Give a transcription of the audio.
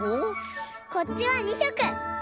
こっちは２しょく。